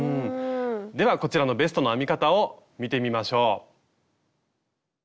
ではこちらのベストの編み方を見てみましょう。